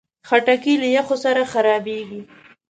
خټکی له یخو سره خرابېږي.